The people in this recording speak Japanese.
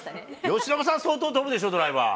由伸さん、相当飛ぶでしょ、ドライバー。